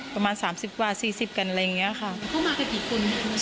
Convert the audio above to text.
ประมาณสามสิบกว่าสี่สิบกันอะไรอย่างเงี้ยค่ะเข้ามากันกี่คน